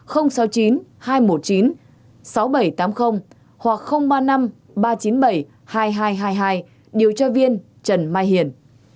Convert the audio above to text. sáu nghìn bảy trăm tám mươi hoặc ba mươi năm ba trăm chín mươi bảy hai nghìn hai trăm hai mươi hai điều tra viên trần mai hiền